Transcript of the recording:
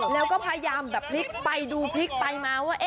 แล้วก็พยายามแบบพลิกไปดูพลิกไปมาว่า